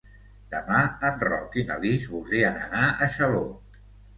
Demà en Roc i na Lis voldrien anar a Xaló.